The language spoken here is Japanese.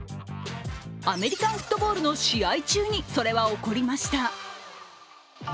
アメリカンフットボールの試合中にそれは起こりました。